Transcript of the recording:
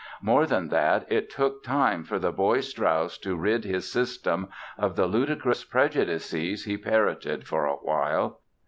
More than that, it took time for the boy Strauss to rid his system of the ludicrous prejudices he parroted for a while.